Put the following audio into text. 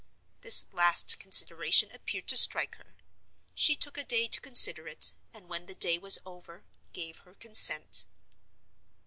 This last consideration appeared to strike her. She took a day to consider it; and, when the day was over, gave her consent.